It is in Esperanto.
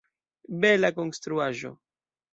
Bela konstruaĵo!